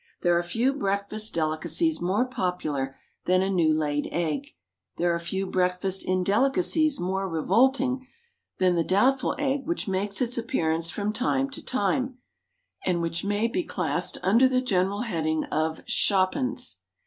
There are few breakfast delicacies more popular than a new laid egg. There are few breakfast indelicacies more revolting than the doubtful egg which makes its appearance from time to time, and which may be classed under the general heading of "Shop 'uns."